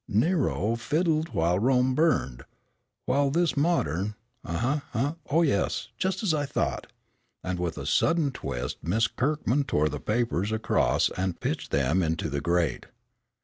Nero fiddled while Rome burned, while this modern' uh, huh, oh, yes, just as I thought," and with a sudden twist Miss Kirkman tore the papers across and pitched them into the grate.